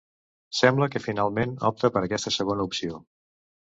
Sembla que finalment opta per aquesta segona opció.